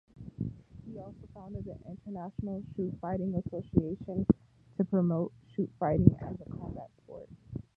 He also founded the "International Shootfighting Association" to promote shootfighting as a combat sport.